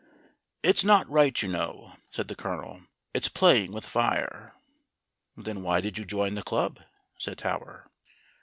"It's not right, you know," said the Colonel. "It's playing with fire." "Then why did you join the club?" said Tower.